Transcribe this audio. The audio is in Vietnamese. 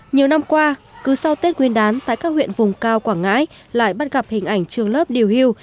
nhiều năm qua cứ sau tết nguyên đán tại các huyện vùng cao quảng ngãi lại bắt gặp hình ảnh trường lớp điều hưu